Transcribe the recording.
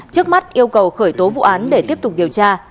trước mắt yêu cầu khởi tố vụ án để tiếp tục điều tra